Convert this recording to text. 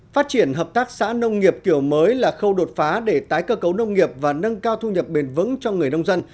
phát triển hợp tác xã nông nghiệp kiểu mới là khâu đột phá để tái cơ cấu nông nghiệp và nâng cao thu nhập bền vững cho người nông dân